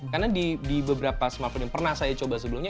karena di beberapa smartphone yang pernah saya coba sebelumnya